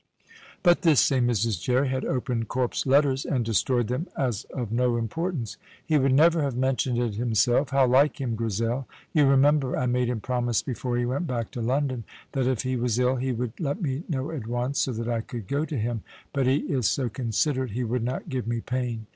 (But this same Mrs. Jerry had opened Corp's letters and destroyed them as of no importance.) "He would never have mentioned it himself. How like him, Grizel! You remember, I made him promise before he went back to London that if he was ill he would let me know at once so that I could go to him, but he is so considerate he would not give me pain.